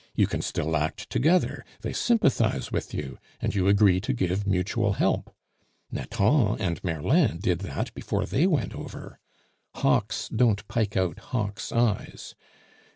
You can still act together; they sympathize with you, and you agree to give mutual help. Nathan and Merlin did that before they went over. Hawks don't pike out hawks' eyes.